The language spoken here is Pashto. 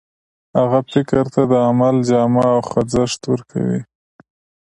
هغه فکر ته د عمل جامه او خوځښت ورکوي.